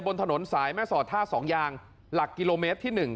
บนถนนสายแม่สอดท่าสองยางหลักกิโลเมตรที่๑